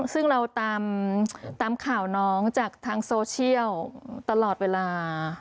ซึ่งเราตามข่าวน้องจากทางโซเชียลตลอดเวลา